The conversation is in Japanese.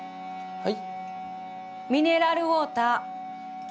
はい。